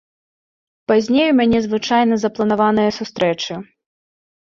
Пазней у мяне звычайна запланаваныя сустрэчы.